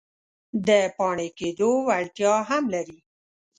د پاڼې کیدو وړتیا هم لري.